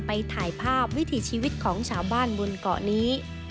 ถ่ายภาพวิถีชีวิตของชาวบ้านบนเกาะนี้